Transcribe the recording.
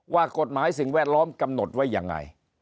ว่ากฎหมายสิ่งแวดล้อมกำหนดไว้ยังไง